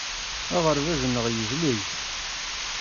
Aɣerbaz-nneɣ yezleg.